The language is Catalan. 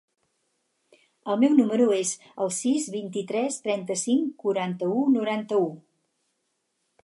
El meu número es el sis, vint-i-tres, trenta-cinc, quaranta-u, noranta-u.